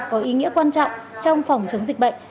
có ý nghĩa quan trọng trong phòng chống dịch bệnh